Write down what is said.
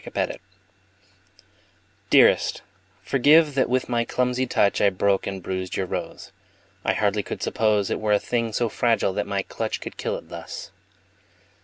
Stupidity Dearest, forgive that with my clumsy touch I broke and bruised your rose. I hardly could suppose It were a thing so fragile that my clutch Could kill it, thus.